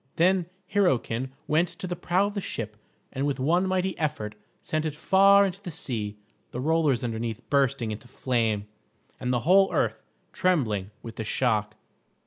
Then Hyrroken went to the prow of the ship and with one mighty effort sent it far into the sea, the rollers underneath bursting into flame, and the whole earth trembling with the shock.